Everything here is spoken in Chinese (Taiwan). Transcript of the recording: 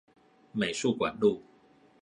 美術館路